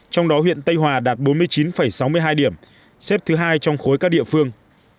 trong đó huyện tây hòa đạt bốn mươi chín sáu mươi hai điểm xếp thứ hai trong khối các địa phương